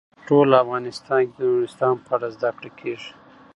په ټول افغانستان کې د نورستان په اړه زده کړه کېږي.